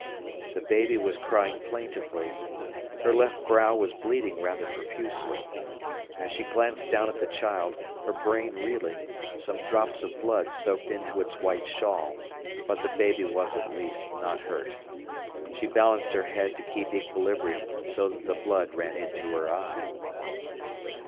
The baby was crying plaintively. Her left brow was bleeding rather profusely. As she glanced down at the child, her brain reeling, some drops of blood soaked into its white shawl; but the baby was at least not hurt. She balanced her head to keep equilibrium, so that the blood ran into her eye.